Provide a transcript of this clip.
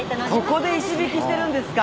ここで石びきしてるんですか？